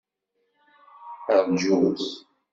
Rǧut!